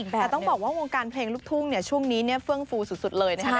แต่ต้องบอกว่าวงการเพลงลูกทุ่งช่วงนี้เฟื่องฟูสุดเลยนะครับ